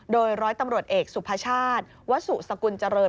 โดยร้อยตำรวจเอกสุภาชาติวสุสกุลเจริญ